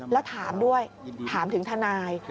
แล้วถามด้วยถามถึงทนาย